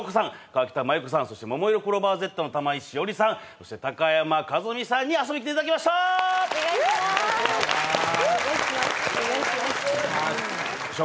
河北麻友子さんそしてももいろクローバーＺの玉井詩織さんそして高山一実さんに遊びに来ていただきましたお願いします